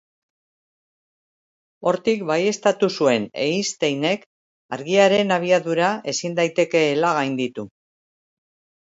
Hortik baieztatu zuen Einsteinek argiaren abiadura ezin daitekeela gainditu.